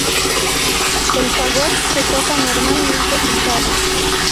El fagot se toca normalmente sentado.